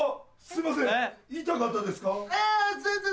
すいません！